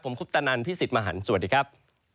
ผมคุปตะนันพี่สิทธิ์มหันฯสวัสดีครับ